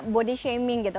badi shaming gitu